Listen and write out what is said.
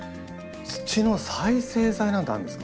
土の再生材なんてあるんですか。